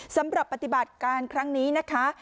สำหรับปฏิบัติการครั้งนี้นะคะ